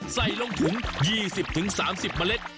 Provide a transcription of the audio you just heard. ใส่ลงถุง๒๐๓๐เมล็ด